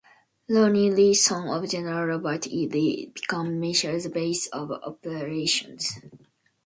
"Rooney" Lee, son of General Robert E. Lee, became McClellan's base of operations.